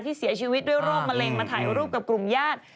เสียชีวิตด้วยโรคมะเร็งมาถ่ายรูปกับกลุ่มญาติ